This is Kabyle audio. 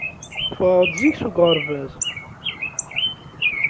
Ffɣeɣ-d zik seg uɣerbaz.